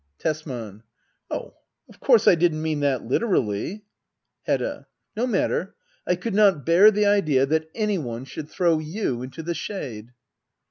Tesman. Oh, of course I didn't mean that literally. Hedda. No matter — I could not bear the idea that any one should throw you into the shade.